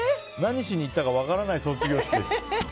何しに行ったか分からない卒業式でした。